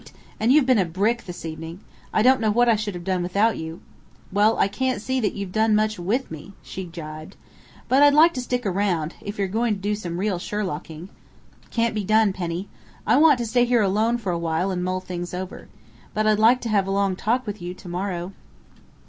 And you've been a brick this evening. I don't know what I should have done without you " "Well, I can't see that you've done much with me," she gibed. "But I'd like to stick around, if you're going to do some real Sherlocking " "Can't be done, Penny. I want to stay here alone for a while and mull things over. But I'd like to have a long talk with you tomorrow."